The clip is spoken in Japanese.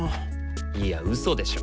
いやウソでしょ。